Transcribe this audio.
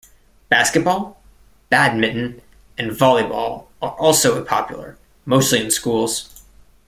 Basketball, badminton and volleyball are also popular, mostly in schools.